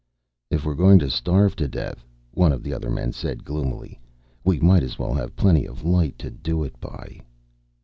"If we're going to starve to death," one of the other men said gloomily, "we might as well have plenty of light to do it by."